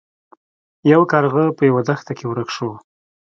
یو کارغه په یوه دښته کې ورک شو.